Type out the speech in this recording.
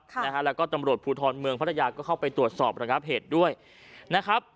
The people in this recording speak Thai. ค่ะนะฮะแล้วก็ตำรวจภูทรเมืองพัทยาก็เข้าไปตรวจสอบระงับเหตุด้วยนะครับ